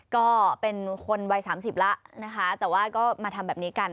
ก็เป็นคนวัยสามสิบแล้วนะคะแต่ว่าก็มาทำแบบนี้กัน